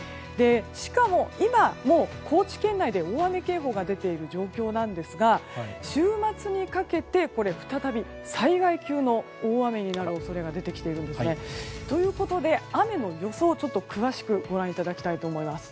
しかも今、高知県内で大雨警報が出ている状況ですが週末にかけて再び災害級の大雨になる恐れが出てきているんですね。ということで、雨の予想を詳しくご覧ください。